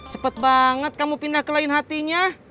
cepat banget kamu pindah ke lain hatinya